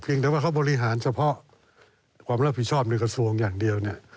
เดี๋ยวว่าเขาบริหารเฉพาะความรับผิดชอบในกระทรวงอย่างเดียวเนี่ย